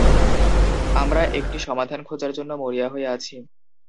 আমরা একটি সমাধান খোঁজার জন্য মরিয়া হয়ে আছি।